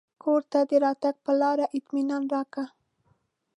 کور ته د راتګ پر لار یې اطمنان راکړ.